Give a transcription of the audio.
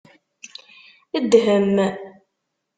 Dhem.